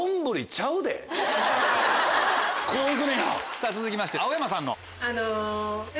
さぁ続きまして青山さんの。